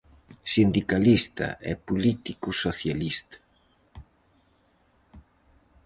Sindicalista e político socialista.